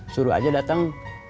suruh aja dateng